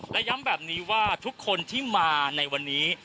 และย้ำแบบนี้ว่าทุกคนที่มาในวันนี้